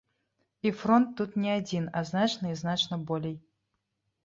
І фронт тут не адзін, а значна і значна болей.